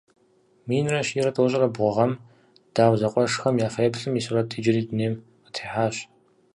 Минрэ щийрэ тӏощӏрэ бгъу гъэм Дау зэкъуэшхэм я фэеплъым и сурэт иджыри дунейм къытехьащ.